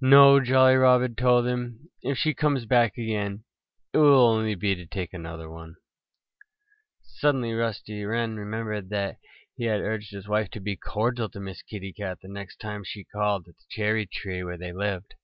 "No!" Jolly Robin told him. "If she comes back again it will only be to take another one." Suddenly Rusty Wren remembered that he had urged his wife to be cordial to Miss Kitty Cat the next time she called at the cherry tree where they lived.